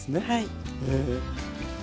はい。